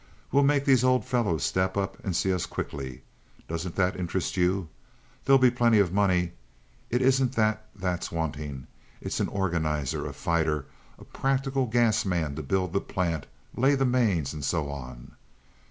We'll make these old fellows step up and see us quickly. Doesn't that interest you? There'll be plenty of money. It isn't that that's wanting—it's an organizer, a fighter, a practical gas man to build the plant, lay the mains, and so on."